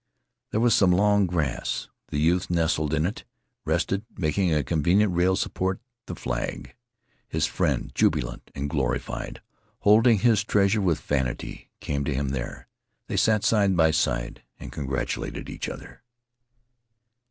There was some long grass. The youth nestled in it and rested, making a convenient rail support the flag. His friend, jubilant and glorified, holding his treasure with vanity, came to him there. They sat side by side and congratulated each other.